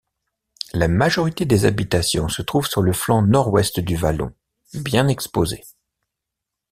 La majorité des habitations se trouve sur le flanc nord-ouest du vallon, bien exposé.